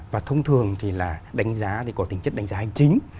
và thông thường thì là đánh giá thì có tính chất đánh giá hành chính